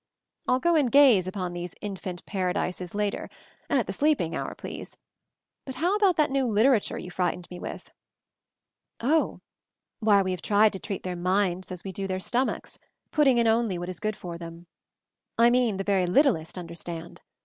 "I'll go and gaze upon these Infant Paradises later — at the sleeping hour, please ! But how about that new liter ature you frightened me with?" "Oh. Why, we have tried to treat their minds as we do their stomachs — putting in only what is good for then. I mean the very littlest, understand.